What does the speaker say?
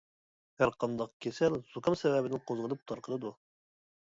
ھەر قانداق كېسەل زۇكام سەۋەبىدىن قوزغىلىپ تارقىلىدۇ.